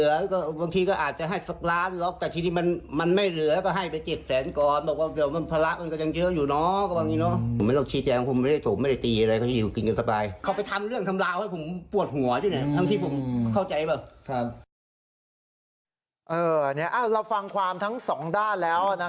เออตอนนี้เราฟังความทั้ง๒ด้านแล้ว